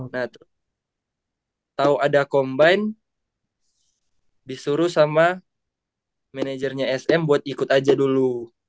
nah terus tahu ada combine disuruh sama manajernya sm buat ikut aja dulu